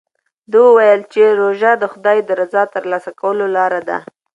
ده وویل چې روژه د خدای د رضا ترلاسه کولو لاره ده.